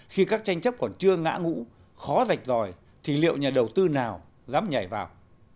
khi các tranh chấp còn chưa ngã ngũ khó rạch rồi thì liệu nhà đầu tư nào dám nhảy vào